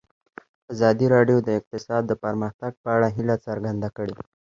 ازادي راډیو د اقتصاد د پرمختګ په اړه هیله څرګنده کړې.